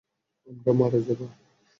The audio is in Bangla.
আমরা মারা যাবো?